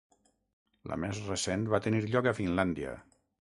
La més recent va tenir lloc a Finlàndia.